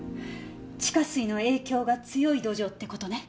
地下水の影響が強い土壌って事ね。